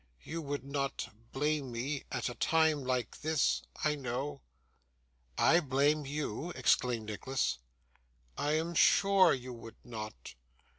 You would not blame me, at a time like this, I know.' 'I blame you!' exclaimed Nicholas. 'I am sure you would not.